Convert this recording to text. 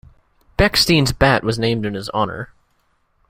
Bechstein's Bat was named in his honour.